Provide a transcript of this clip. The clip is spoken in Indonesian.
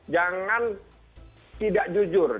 jangan tidak jujur